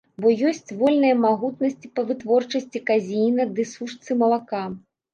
Бо ёсць вольныя магутнасці па вытворчасці казеіна ды сушцы малака.